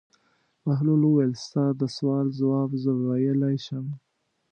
بهلول وویل: ستا د سوال ځواب زه ویلای شم.